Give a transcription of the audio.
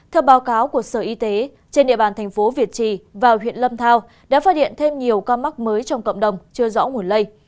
theo báo cáo của sở y tế trên địa bàn thành phố việt trì và huyện lâm thao đã phát hiện thêm nhiều ca mắc mới trong cộng đồng chưa rõ nguồn lây